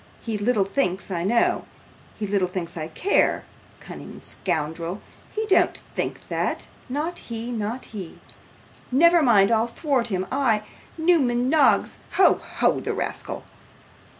He little thinks I know; he little thinks I care. Cunning scoundrel! he don't think that. Not he, not he. Never mind, I'll thwart him I, Newman Noggs. Ho, ho, the rascal!